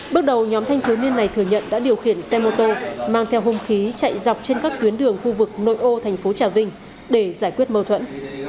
bước đầu nhóm thanh thiếu niên này thừa nhận đã điều khiển xe mô tô mang theo hung khí chạy dọc trên các tuyến đường khu vực nội ô thành phố trà vinh để giải quyết mâu thuẫn